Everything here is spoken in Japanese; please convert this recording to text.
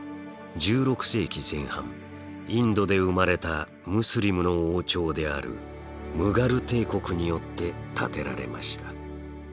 １６世紀前半インドで生まれたムスリムの王朝であるムガル帝国によって建てられました。